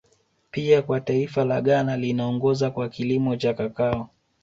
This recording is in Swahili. Pia kwa taifa la Ghana linaongoza kwa kilimo cha Kakao